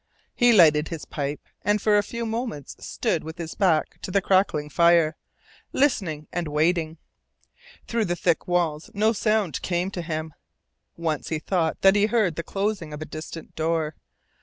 He lighted his pipe, and for a few moments stood with his back to the crackling fire, listening and waiting. Through the thick walls no sound came to him. Once he thought that he heard the closing of a distant door.